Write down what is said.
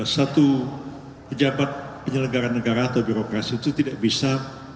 satu pejabat penyelenggara negara atau birokrasi itu tidak bisa